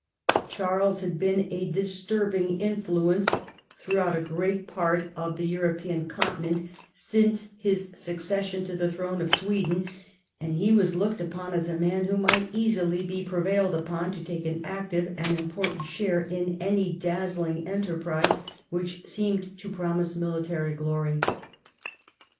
Charles had been a disturbing influence throughout a great part of the European Continent since his succession to the throne of Sweden, and he was looked upon as a man who might easily be prevailed upon to take an active and an important share in any dazzling enterprise which seemed to promise military glory.